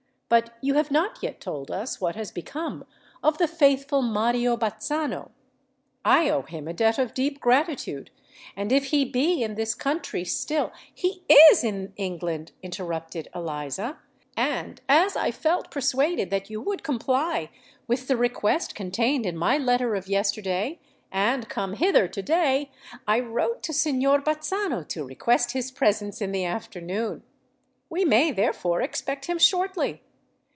But you have not yet told us what has become of the faithful Mario Bazzano. I owe him a debt of deep gratitude; and if he be in this country still——" "He is in England," interrupted Eliza; "and as I felt persuaded that you would comply with the request contained in my letter of yesterday, and come hither to day, I wrote to Signor Bazzano to request his presence in the afternoon. We may, therefore, expect him shortly.